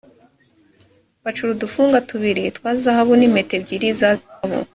bacura udufunga tubiri twa zahabu nimpeta ebyiri za zahabu.